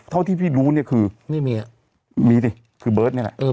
ข้อที่พี่รู้เนี้ยคือไม่มีอ่ะมีสิคือเบิร์ดเนี้ยแหละเออ